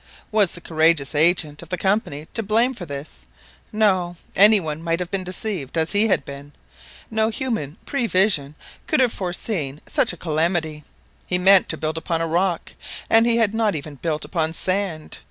Was the courageous agent of the Company to blame for this? No; any one might have been deceived as he had been. No human prevision could have foreseen such a calamity. He meant to build upon a rock, and he had not even built upon sand.